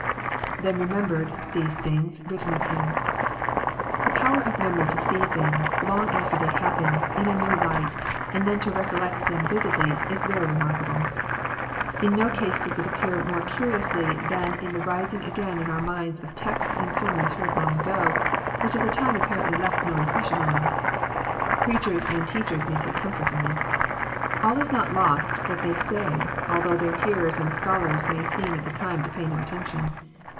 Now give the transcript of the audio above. IThen remembered.,. these things,,, toritten of him,"] The power of memory to see things, long after they happen, in a new Mght, and then to recollect them vividly, is very remarkable. In no case does it appear more curiously than in the rising again in our minds of texts and sermons heard long ago. which at the time apparently left no impression on us. preachers and . teachers may take comfort in t]iis. All is not lost that they say, although their hearers and scholars may seem at the time to pay no attention.